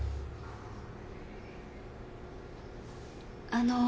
あの。